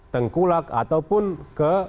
tengkulak ataupun ke